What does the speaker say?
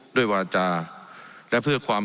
ด้วยวาจาและเพื่อความ